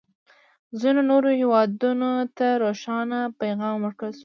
ځینو نورو هېوادونه ته روښانه پیغام ورکړل شو.